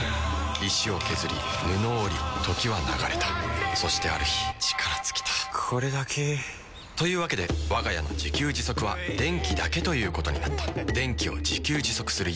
石を削り布を織り時は流れたそしてある日力尽きたこれだけ。というわけでわが家の自給自足は電気だけということになった電気を自給自足する家。